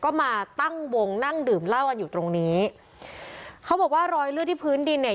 ก็มาตั้งวงนั่งดื่มเหล้ากันอยู่ตรงนี้เขาบอกว่ารอยเลือดที่พื้นดินเนี่ย